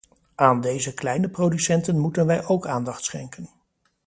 Aan deze kleine producenten moeten wij ook aandacht schenken.